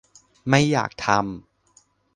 ไม่อยากทำ